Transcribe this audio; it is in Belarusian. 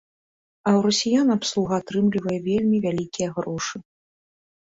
А ў расіян абслуга атрымлівае вельмі вялікія грошы.